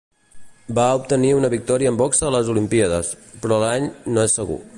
Va obtenir una victòria en boxa a les olimpíades, però l'any no és segur.